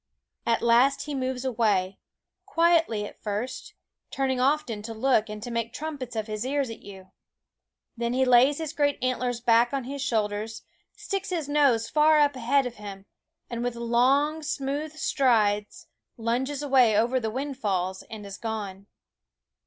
At last he moves away, quietly at first, turning often to look and to make trumpets of his ears at you. Then he lays his great antlers back on his shoulders, sticks his nose far up ahead of him, and with long, smooth strides lunges away over the windfalls and is gone.